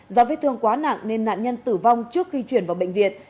do vết thương quá nặng nên nạn nhân tử vong trước khi chuyển vào bệnh viện